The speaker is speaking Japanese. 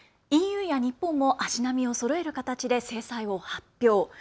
ＥＵや日本も足並みをそろえる形で制裁を発表。